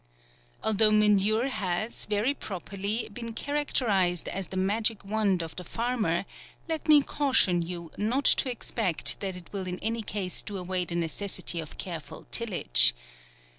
Although manure has, very properly, been characterized as the magic wand of the far mer, let me caution you, not to expect that it will in any case do awaj the necessity of careful tillage.